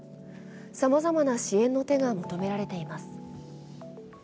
さまざまな支援の手が求められています。